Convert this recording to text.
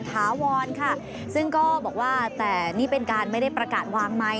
จากนั้นว่านุ่มไอซ์ต่อไปดีกว่าคือ